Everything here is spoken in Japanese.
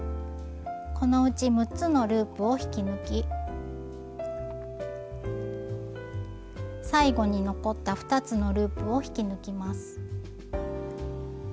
このうち６つのループを引き抜き最後に残った２つのループを引き抜きます。